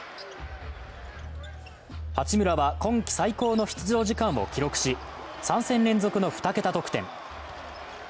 八村は今季最長の出場時間を記録し、３戦連続の２桁得点。